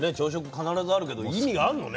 必ずあるけど意味があるのね。